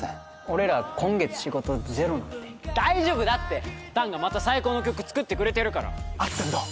俺ら今月仕事ゼロなんで大丈夫だって弾がまた最高の曲作ってくれてるから・あすぴょんどう？